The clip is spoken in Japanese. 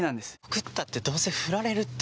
告ったってどうせ振られるって。